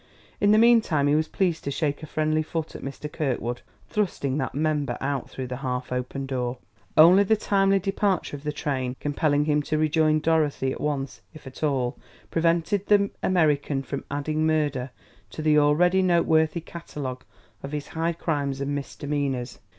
In the meantime he was pleased to shake a friendly foot at Mr. Kirkwood, thrusting that member out through the half open door. Only the timely departure of the train, compelling him to rejoin Dorothy at once, if at all, prevented the American from adding murder to the already noteworthy catalogue of his high crimes and misdemeanors.